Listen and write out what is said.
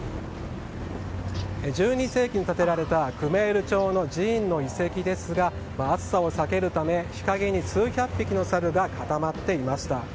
１２世紀に建てられたクメール朝の寺院の遺跡ですが暑さを避けるため日陰に数百匹のサルが固まっていました。